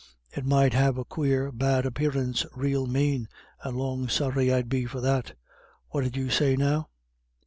It might have a quare, bad apparance, rael mane; and long sorry I'd be for that. What 'ud you say, now?"